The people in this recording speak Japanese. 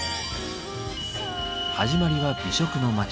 始まりは美食の街